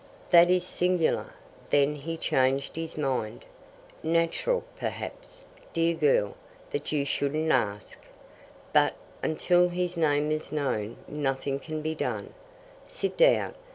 "That is singular." Then he changed his mind. "Natural perhaps, dear girl, that you shouldn't ask. But until his name is known, nothing can be done. Sit down.